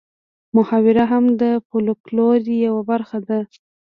محاوره هم د فولکلور یوه برخه ده